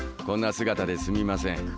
こんな姿ですみません。